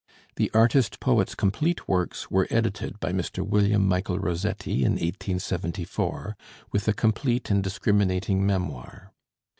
The artist poet's complete works were edited by Mr. William Michael Rossetti in 1874, with a complete and discriminating memoir.